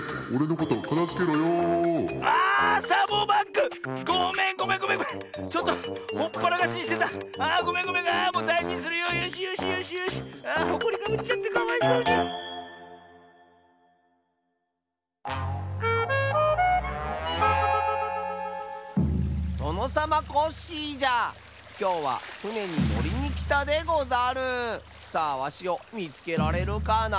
さあわしをみつけられるかな？